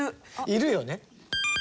いるよね。